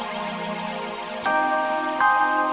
aku buang sampah ya